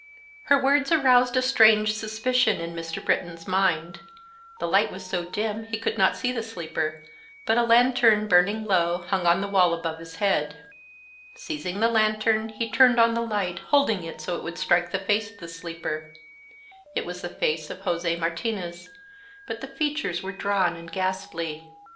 Her words aroused a strange suspicion in Mr. Britton's mind. The light was so dim he could not see the sleeper, but a lantern, burning low, hung on the wall above his head. Seizing the lantern, he turned on the light, holding it so it would strike the face of the sleeper. It was the face of José Martinez, but the features were drawn and ghastly.